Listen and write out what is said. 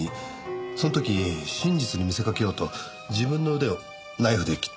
その時真実に見せかけようと自分の腕をナイフで切ってまでしたんです。